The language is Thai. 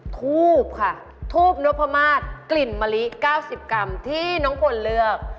ทูบค่ะทูบนพมาศกลิ่นมะลิ๙๐กรัมที่น้องพลเลือก